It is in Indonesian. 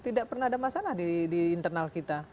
tidak pernah ada masalah di internal kita